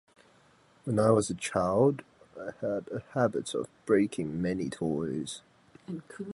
When I was a child, I had a habit of breaking many toys.